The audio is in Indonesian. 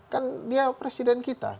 kan dia presiden kita